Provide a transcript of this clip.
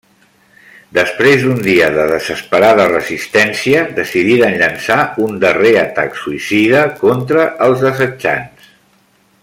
Després d'un dia de desesperada resistència decidiren llançar un darrer atac suïcida contra els assetjants.